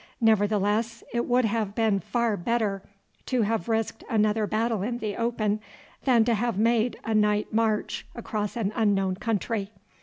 Nevertheless it would have been far better to have risked another battle in the open than to have made a night march across an unknown country.